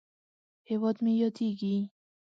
هیواد مې ياديږي